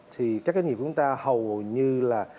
thì các doanh nghiệp của chúng ta hầu như là